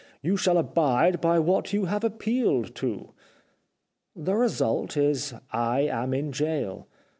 You shall abide by what you have appealed to.' The result is I am in gaol.